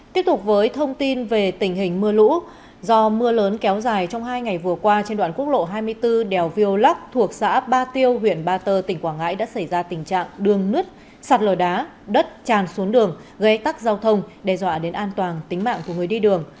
tiếp tục với thông tin về tình hình mưa lũ do mưa lớn kéo dài trong hai ngày vừa qua trên đoạn quốc lộ hai mươi bốn đèo viêu lắc thuộc xã ba tiêu huyện ba tơ tỉnh quảng ngãi đã xảy ra tình trạng đường nứt sạt lở đá đất tràn xuống đường gây tắc giao thông đe dọa đến an toàn tính mạng của người đi đường